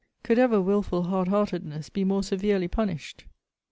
Could ever wilful hard heartedness be more severely punished?